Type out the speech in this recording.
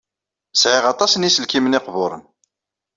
Sɛiɣ aṭas n yiselkimen iqburen.